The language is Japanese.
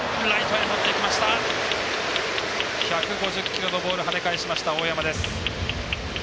１５０キロのボール跳ね返しました、大山。